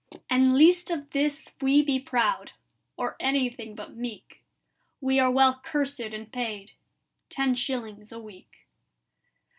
"And lest of this we be proud Or anything but meek, We are well cursed and paid— Ten shillings a week!"